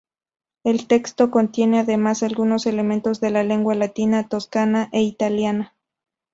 El texto contiene además algunos elementos de la lengua latina, toscana e italiana.